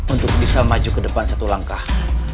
untuk bisa maju ke depan satu langkah